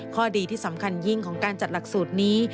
ข้อดีที่สำคัญยิ่งของการจัดหลักสูตรนี้